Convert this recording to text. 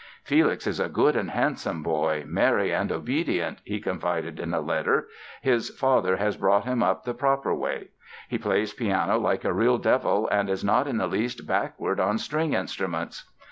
"Felix is a good and handsome boy, merry and obedient", he confided in a letter; "his father has brought him up the proper way.... He plays piano like a real devil and is not in the least backward on string instruments...".